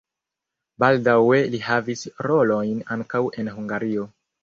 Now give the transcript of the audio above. Baldaŭe li havis rolojn ankaŭ en Hungario.